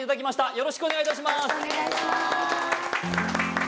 よろしくお願いします